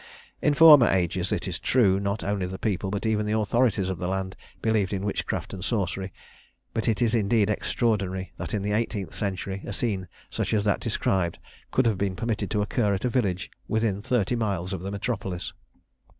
In former ages, it is true, not only the people, but even the authorities of the land, believed in witchcraft and sorcery; but it is indeed extraordinary that in the eighteenth century a scene such as that described could have been permitted to occur at a village within thirty miles of the metropolis.